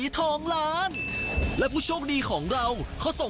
ท่องร้าน